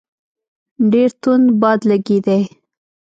ډېر توند باد لګېدی.